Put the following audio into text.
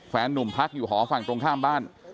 นุ่มพักอยู่หอฝั่งตรงข้ามบ้าน